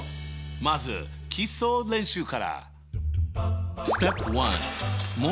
まず基礎練習から！